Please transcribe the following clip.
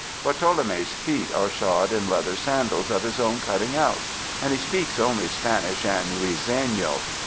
Rartolonie's feet are shod in leather sandals of his own cutting out, and he speaks only Spanish and Luiseiio.